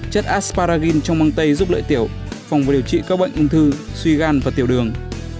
chất asparragin trong mương tây giúp lợi tiểu phòng và điều trị các bệnh ung thư suy gan và tiểu đường